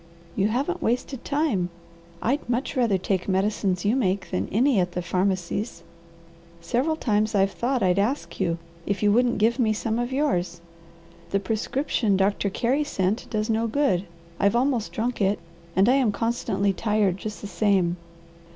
"You haven't wasted time! I'd much rather take medicines you make than any at the pharmacies. Several times I've thought I'd ask you if you wouldn't give me some of yours. The prescription Doctor Carey sent does no good. I've almost drunk it, and I am constantly tired, just the same.